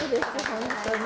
本当に。